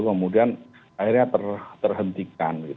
kemudian akhirnya terhentikan gitu